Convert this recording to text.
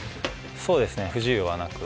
そうですね、不自由はなく。